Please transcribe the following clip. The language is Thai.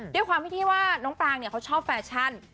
ด้วยความที่ที่ว่าน้องปรางเขาชอบแฟชั่น